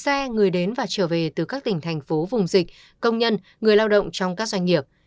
xe người đến và trở về từ các tỉnh thành phố vùng dịch công nhân người lao động trong các doanh nghiệp